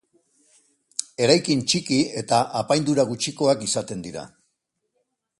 Eraikin txiki eta apaindura gutxikoak izaten dira.